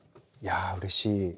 いやうれしい。